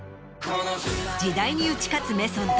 時代に打ち勝つメソッド。